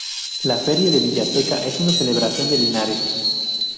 La feria de Villaseca es una celebración de Linares.